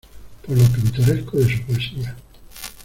Por lo pintoresco de su poesía.